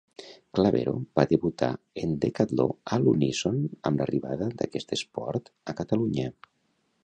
Clavero va debut en decatló a l'uníson amb l'arribada d'aquest esport a Catalunya.